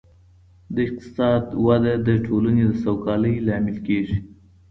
د اقتصاد وده د ټولني د سوکالۍ لامل کيږي.